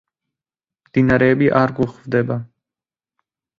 მდინარეები არ გვხვდება.